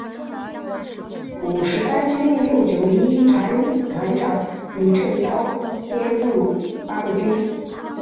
五十三军六九一团团长吕正操编入八路军。